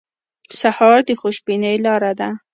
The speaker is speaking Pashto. سهار د خوشبینۍ لاره ده.